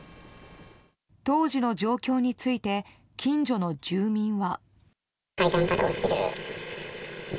当時の状況について近所の住民は。